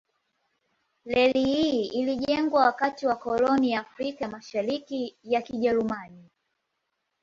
Reli hii ilijengwa wakati wa koloni ya Afrika ya Mashariki ya Kijerumani.